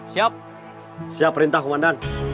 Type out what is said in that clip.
siap siap perintah komandan